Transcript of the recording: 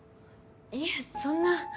いえそんな。